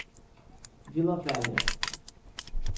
Vila Velha